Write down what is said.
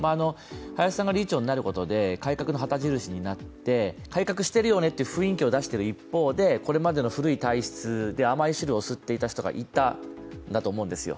林さんが理事長になることで改革の旗印になって改革してるよねという雰囲気を出している一方でこれまでの古い体質で甘い汁を吸っていた人がいたと思うんですよ。